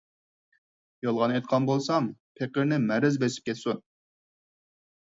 يالغان ئېيتقان بولسام، پېقىرنى مەرەز بېسىپ كەتسۇن.